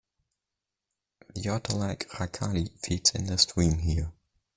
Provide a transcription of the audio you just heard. The otter-like rakali feeds in the stream here.